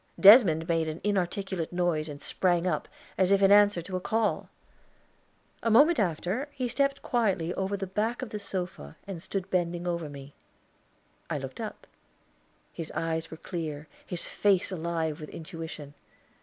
Desmond made an inarticulate noise and sprang up, as if in answer to a call. A moment after he stepped quietly over the back of the sofa and stood bending over me. I looked up. His eyes were clear, his face alive with intuition.